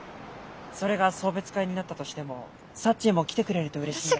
それが送別会になったとしてもサッチーも来てくれるとうれしい。